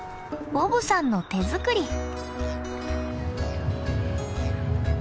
ボブさんの手作り。